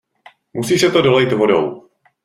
Musí se to dolejt vodou.